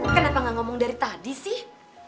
kenapa gak ngomong dari tadi sih